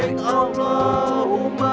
lihat dulu ibu ibu